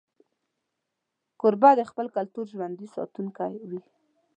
کوربه د خپل کلتور ژوندي ساتونکی وي.